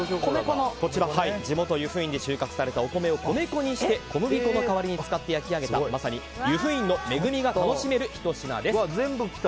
地元・由布院で収穫されたお米を米粉にして、小麦粉の代わりに使って焼き上げたまさに由布院の恵みが楽しめるひと品です。